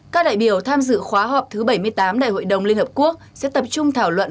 các đại biểu tham dự khóa họp thứ bảy mươi tám đại hội đồng liên hợp quốc sẽ tập trung thảo luận